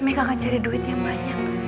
mereka akan cari duit yang banyak